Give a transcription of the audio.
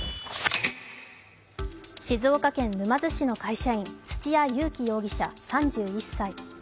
静岡県沼津市の会社員、土屋勇貴容疑者３１歳。